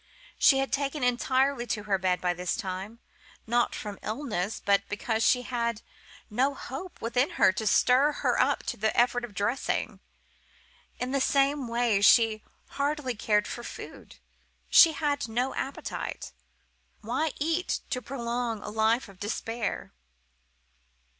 She had taken entirely to her bed by this time: not from illness, but because she had no hope within her to stir her up to the effort of dressing. In the same way she hardly cared for food. She had no appetite,—why eat to prolong a life of despair?